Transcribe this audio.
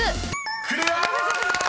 ［クリア！］